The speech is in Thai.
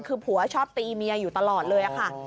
คือผัวชอบตีเมียอยู่ตลอดเลยค่ะ